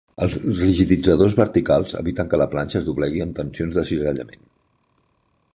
Els rigiditzadors verticals eviten que la planxa es doblegui en tensions de cisallament.